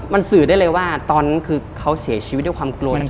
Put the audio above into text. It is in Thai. มันสื่อได้เลยว่าตอนนั้นคือเขาเสียชีวิตด้วยความกลัวจริง